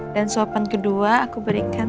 dan sopan kedua aku berikan